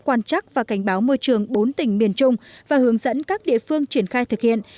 quan chắc và cảnh báo môi trường bốn tỉnh miền trung và hướng dẫn các địa phương triển khai thực hiện